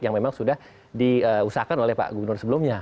yang memang sudah diusahakan oleh pak gubernur sebelumnya